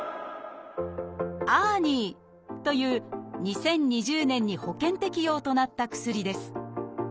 「ＡＲＮＩ」という２０２０年に保険適用となった薬です。